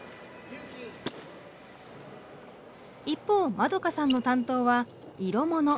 一方まどかさんの担当は色もの。